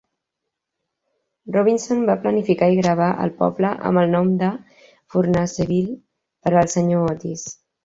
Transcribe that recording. Robinson va planificar i gravar el poble amb el nom de Furnaceville per al Sr. Otis.